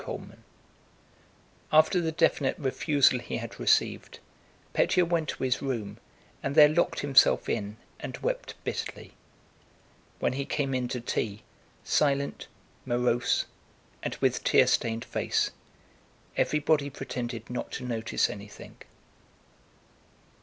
CHAPTER XXI After the definite refusal he had received, Pétya went to his room and there locked himself in and wept bitterly. When he came in to tea, silent, morose, and with tear stained face, everybody pretended not to notice anything.